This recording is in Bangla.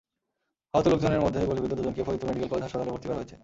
আহত লোকজনের মধ্যে গুলিবিদ্ধ দুজনকে ফরিদপুর মেডিকেল কলেজ হাসপাতালে ভর্তি করা হয়েছে।